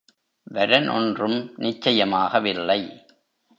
வரன் ஒன்றும் நிச்சயமாகவில்லை.